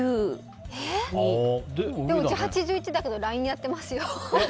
うち、８１だけどＬＩＮＥやってますよ。